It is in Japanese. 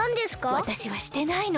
わたしはしてないの。